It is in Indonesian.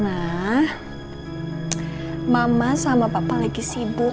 nah mama sama papa lagi sibuk